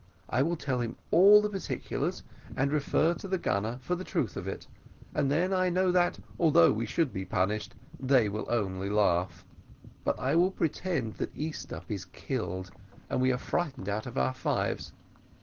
I will tell him all the particulars, and refer to the gunner for the truth of it; and then I know that, although we should be punished, they will only laugh; but I will pretend that Easthupp is killed, and we are frightened out of our lives.